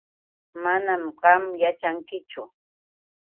Manam qam yaćhankichu.